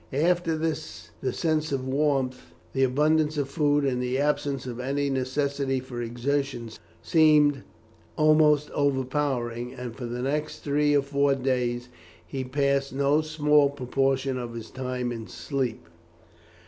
After this the sense of warmth, the abundance of food, and the absence of any necessity for exertion seemed almost overpowering, and for the next three or four days he passed no small proportion of his time in sleep.